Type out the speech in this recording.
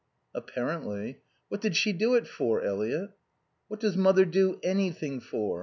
_" "Apparently." "What did she do it for, Eliot?" "What does mother do anything for?